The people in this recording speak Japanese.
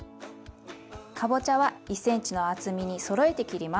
かぼちゃは１ｃｍの厚みにそろえて切ります。